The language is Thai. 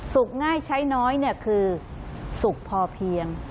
ง่ายใช้น้อยคือสุขพอเพียง